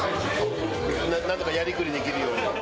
なんとかやりくりできるように。